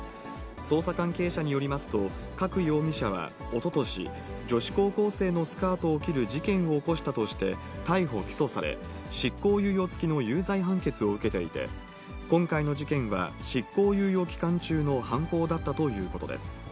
捜査関係者によりますと、加久容疑者はおととし、女子高校生のスカートを切る事件を起こしたとして、逮捕・起訴され、執行猶予付きの有罪判決を受けていて、今回の事件は執行猶予期間中の犯行だったということです。